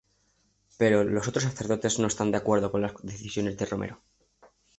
Pero, los otros sacerdotes no están de acuerdo con las decisiones de Romero.